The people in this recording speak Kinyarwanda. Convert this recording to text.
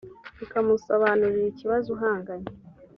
ukamusobanurira ikibazo uhanganye